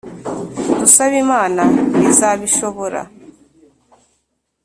dusabe imana izabishobora